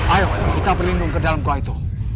ayo kita perlindung ke dalam koh itu